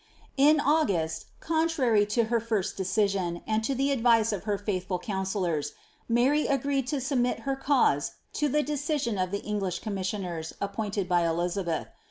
In August, contrary to her first decision, and to the advice of ha laithful councillors, Mary agreed to submit her cause to the decision of the English commissioners appointed by Ellizabeih.